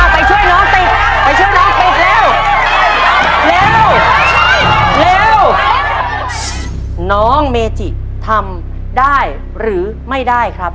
ไปช่วยน้องติด